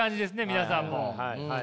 皆さんも。